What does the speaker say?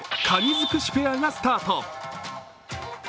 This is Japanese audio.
づくしフェアがスタート。